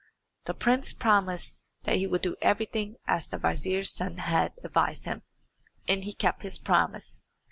The prince promised that he would do everything as the vizier's son had advised him; and he kept his promise.